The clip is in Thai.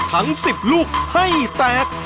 ทั้ง๑๐ลูกให้แตก